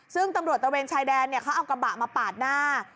ซึ่งตำรวจตะเวนชายแดนเขาเอากระบะมาปาดหน้า